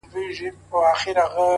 تر تا څو چنده ستا د زني عالمگير ښه دی.